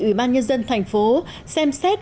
ủy ban nhân dân thành phố xem xét